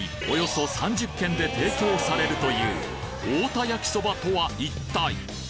およそ３０軒で提供されるという太田焼そばとは一体？